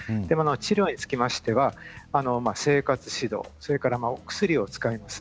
治療については、生活指導それからお薬を使います。